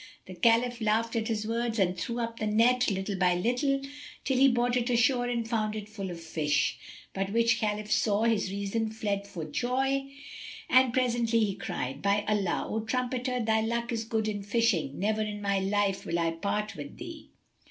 The Caliph laughed at his words and drew up the net, little by little, till he brought it ashore and found it full of fish; which when Khalif saw, his reason fled for joy and presently he cried, "By Allah, O trumpeter, thy luck is good in fishing! Never in my life will I part with thee!